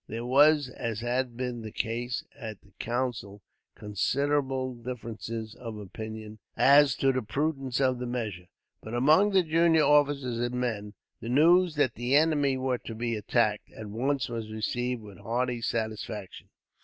There was, as had been the case at the council, considerable differences of opinion as to the prudence of the measure; but among the junior officers and men, the news that the enemy were to be attacked, at once, was received with hearty satisfaction.